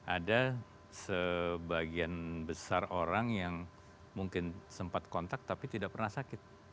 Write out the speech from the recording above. ada sebagian besar orang yang mungkin sempat kontak tapi tidak pernah sakit